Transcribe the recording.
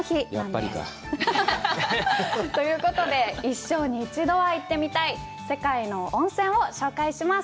やっぱりか。ということで、一生に一度は行ってみたい世界の温泉を紹介します。